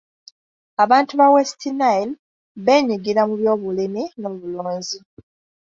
Abantu ba West Nile beenyigira mu byobulimi n'obulunzi.